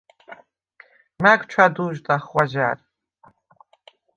მა̈გ ჩვა̈დუ̄ჟდახ ღვაჟა̈რ.